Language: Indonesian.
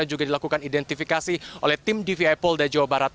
yang juga dilakukan identifikasi oleh tim dvi pol da jawa barat